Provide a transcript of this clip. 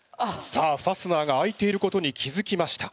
さあファスナーが開いていることに気付きました。